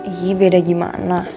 ih beda gimana